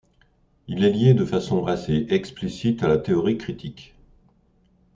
Il est lié de façon assez explicite à la théorie critique.